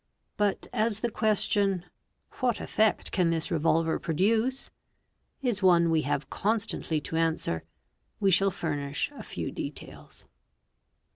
But as the question, 'What effect can this revolver _ produce ?"' is one we have constantly to answer, we shall furnish a few details.